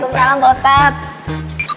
assalamualaikum pak ustadz